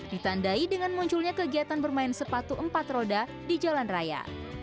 ditandai dengan munculnya kegiatan bermain sepatu empat roda di jalan raya